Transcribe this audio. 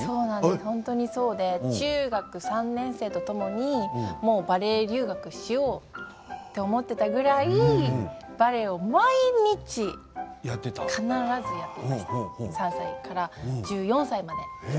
本当にそうで中学３年生のときにもうバレエ留学しようと思ってたぐらいバレエを毎日必ずやっていました３歳から１４歳まで。